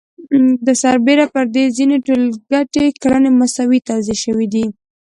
سربېره پر دې ځینې ټولګټې کړنې مساوي توزیع شوي دي